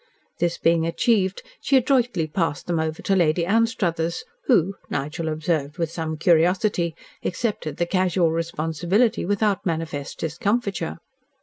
This being achieved, she adroitly passed them over to Lady Anstruthers, who, Nigel observed with some curiosity, accepted the casual responsibility without manifest discomfiture.